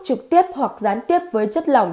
trực tiếp hoặc gián tiếp với chất lỏng